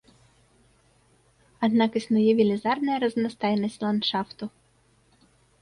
Аднак існуе велізарная разнастайнасць ландшафту.